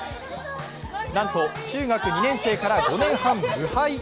なんと中学２年生から５年半無敗。